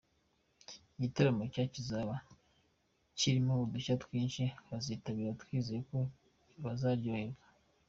Igitaramo cye kizaba kirimo udushya twinshi, abazitabira twizeye ko bazaryoherwa.